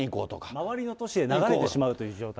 周りの都市へ流れてしまうという状態ですね。